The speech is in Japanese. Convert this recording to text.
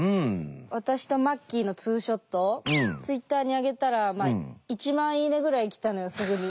私とまっきぃのツーショットツイッターに上げたら「１万いいね」ぐらい来たのよすぐに。